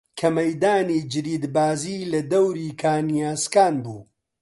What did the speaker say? کە مەیدانی جریدبازی لە دەوری کانی ئاسکان بوو